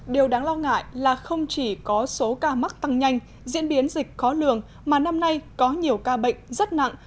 điều đáng lo ngại là không chỉ có số ca mắc tăng nhanh diễn biến dịch khó lường mà năm nay có nhiều ca bệnh rất nặng